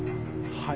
はい。